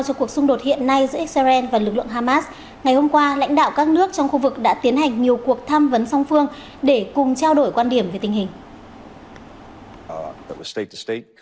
trong cuộc xung đột hiện nay giữa israel và lực lượng hamas ngày hôm qua lãnh đạo các nước trong khu vực đã tiến hành nhiều cuộc thăm vấn song phương để cùng trao đổi quan điểm về tình hình